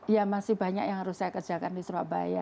ya masih banyak yang harus saya kerjakan di surabaya